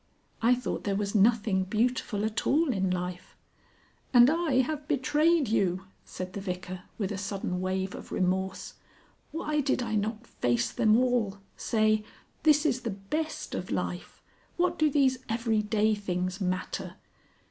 I thought there was nothing beautiful at all in life " "And I have betrayed you!" said the Vicar, with a sudden wave of remorse. "Why did I not face them all say, 'This is the best of life'? What do these everyday things matter?"